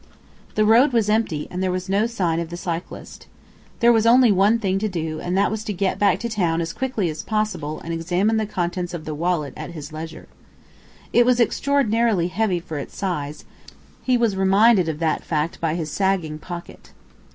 The road was empty, and there was no sign of the cyclist. There was only one thing to do and that was to get back to town as quickly as possible and examine the contents of the wallet at his leisure. It was extraordinary heavy for its size, he was reminded of that fact by his sagging pocket.